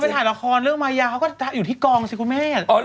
ถ่ายละครเรื่องมายาเขาก็อยู่ที่กองสิคุณแม่